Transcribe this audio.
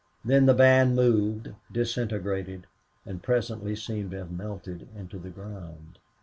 Then the band moved, disintegrated, and presently seemed to have melted into the ground.